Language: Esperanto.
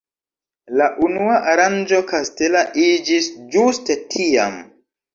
La unua aranĝo kastela iĝis ĝuste tiam.